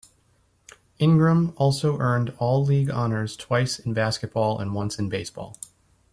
Ingram also earned All-League honors twice in basketball and once in baseball.